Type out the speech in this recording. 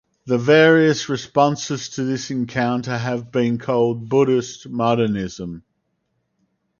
The various responses to this encounter have been called "Buddhist Modernism".